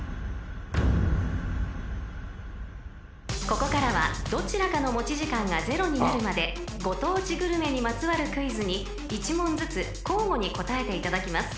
［ここからはどちらかの持ち時間がゼロになるまでご当地グルメにまつわるクイズに１問ずつ交互に答えていただきます］